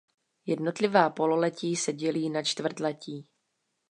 Jednotlivá pololetí se dělí na čtvrtletí.